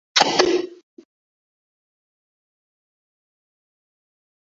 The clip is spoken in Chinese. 阿尔来旁圣日耳曼人口变化图示